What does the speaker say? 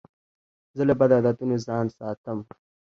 زه له بدو عادتو ځان ساتم.